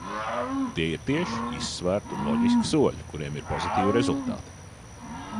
Tie ir tieši, izsvērti un loģiski soļi, kuriem ir pozitīvi rezultāti.